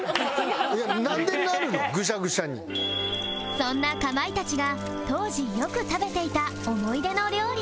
そんなかまいたちが当時よく食べていた思い出の料理